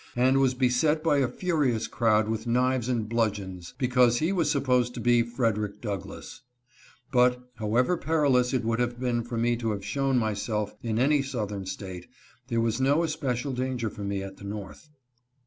and was beset by a furious crowd with knives and bludg eons because he was supposed to be Fred. Douglass. But, however perilous it would have been for me to have shown THREE CANDIDATES IN THE FIELD. 397 myself in any Southern State, there was no especial dan ger for me at the North.